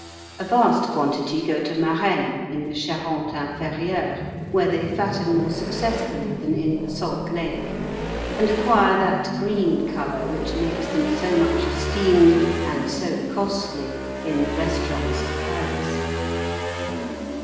A vast quantity go to Marenne in the Charente lnferieure, where they fatten more successfully than in the salt lake, and acquire that green colour which makes them so much esteemed and so costly in the restaurants at Paris.